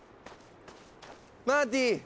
マーティ！